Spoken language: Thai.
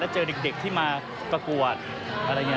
เจอเด็กที่มาประกวดอะไรอย่างนี้